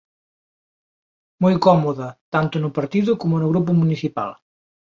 Moi cómoda, tanto no partido como no grupo municipal.